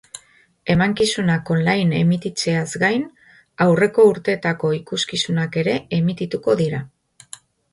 Emankizunak online emititzeaz gain, aurreko urteetako ikuskizunak ere emitituko dira.